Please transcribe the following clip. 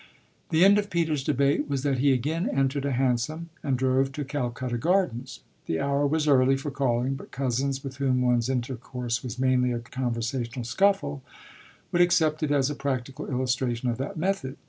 The end of Peter's debate was that he again entered a hansom and drove to Calcutta Gardens. The hour was early for calling, but cousins with whom one's intercourse was mainly a conversational scuffle would accept it as a practical illustration of that method.